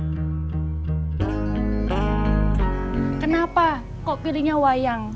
gimna juga bisa berkata bahwa dia tidak akan mencari warga yang tidak bisa diperoleh